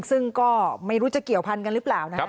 ซึ่งก็ไม่รู้จะเกี่ยวพันกันหรือเปล่านะครับ